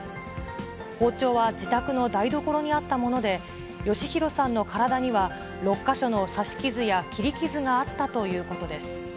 包丁は自宅の台所にあったもので、嘉弘さんの体には、６か所の刺し傷や切り傷があったということです。